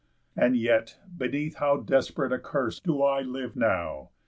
And yet, beneath how desperate a curse Do I live now!